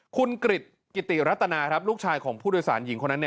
คุณกริจกิติรัตนาลูกชายของผู้โดยสารหญิงคนนั้น